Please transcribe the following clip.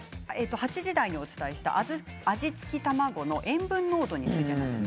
８時台にお伝えした味付け卵の塩分濃度について。